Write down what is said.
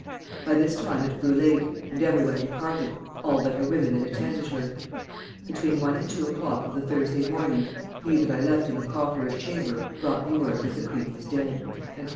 By this time it grew late, and every one departed, all but her women that attended her.... Between one and two o'clock of the Thursday morning, he that I left in the cofferer's chamber brought me word that the queen was dead."